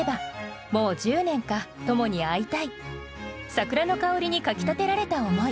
桜の香りにかきたてられた思い。